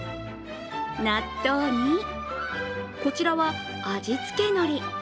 納豆に、こちらは味付けのり。